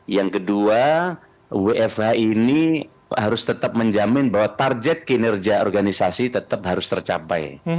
yang kedua wfh ini harus tetap menjamin bahwa target kinerja organisasi tetap harus tercapai